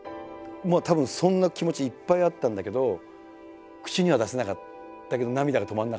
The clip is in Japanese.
たぶんそんな気持ちいっぱいあったんだけど口には出せなかったけど涙が止まらなかったですね。